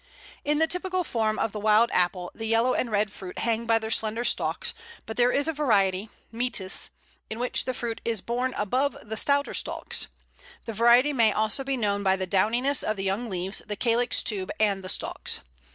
In the typical form of the Wild Apple the yellow and red fruit hang by their slender stalks, but there is a variety (mitis) in which the fruit is borne above the stouter stalks. The variety may also be known by the downiness of the young leaves, the calyx tube, and the stalks.